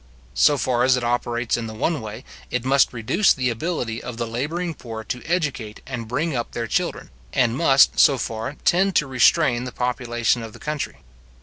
So far as it operates in the one way, it must reduce the ability of the labouring poor to educate and bring up their children, and must, so far, tend to restrain the population of the country.